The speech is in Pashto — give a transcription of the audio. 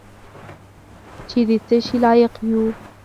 چې د څه شي لایق یو .